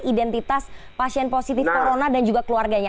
identitas pasien positif corona dan juga keluarganya